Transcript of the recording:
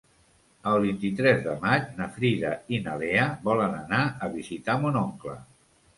El vint-i-tres de maig na Frida i na Lea volen anar a visitar mon oncle.